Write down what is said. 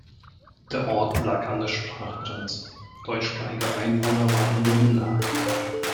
Der Ort lag an der Sprachgrenze; deutschsprachige Einwohner waren in der Minderheit.